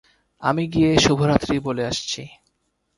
আমি গিয়ে শুভরাত্রি বলে আসছি।